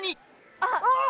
あっ！